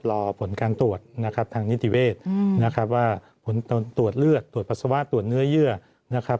รอผลการตรวจนะครับทางนิติเวศนะครับว่าผลตรวจเลือดตรวจปัสสาวะตรวจเนื้อเยื่อนะครับ